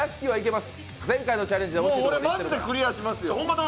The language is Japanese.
まじでクリアしますよ。